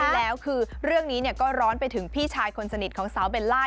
แล้วคือเรื่องนี้ก็ร้อนไปถึงพี่ชายคนสนิทของสาวเบลล่า